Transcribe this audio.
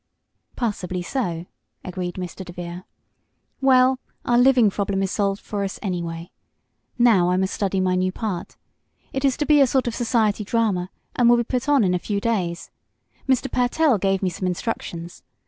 "Passably so," agreed Mr. DeVere. "Well, our living problem is solved for us, anyway. Now I must study my new part. It is to be a sort of society drama, and will be put on in a few days. Mr. Pertell gave me some instructions.